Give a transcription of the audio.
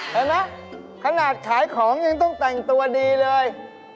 เห็นไหมขนาดขายของยังต้องแต่งตัวดีเลย